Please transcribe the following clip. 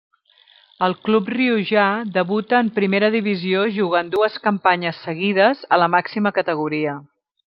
Al club riojà debuta en primera divisió jugant dues campanyes seguides a la màxima categoria.